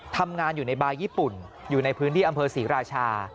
ทำงานอยู่ในบาร์ญี่ปุ่นอยู่ในพื้นที่อำเภอศรีราชา